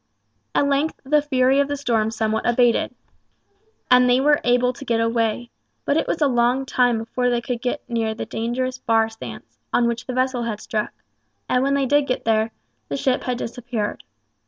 At length the fury of the storm somewhat abated, and they were able to get away, but it was a long time before they could get near the dangerous bar sands, on which the vessel had struck, and when they did get there, the ship had disappeared.